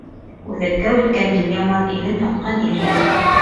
Үҙәккә үткән ел яман, Илен һатҡан ир яман.